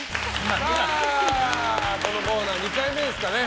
このコーナー、２回目ですかね。